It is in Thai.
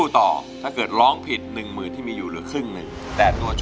ต่อการสู้ครับ